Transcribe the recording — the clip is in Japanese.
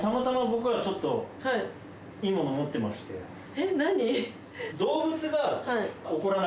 えっ何？